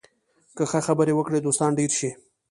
که ښه خبرې وکړې، دوستان ډېر شي